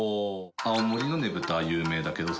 青森のねぶたは有名だけどさ